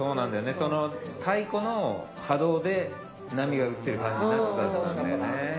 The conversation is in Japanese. その太鼓の波動で波が打ってる感じになってたはずなんだよね。